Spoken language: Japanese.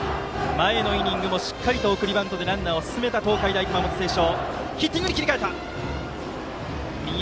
前のイニングもしっかりと送りバントでランナーを進めた東海大熊本星翔。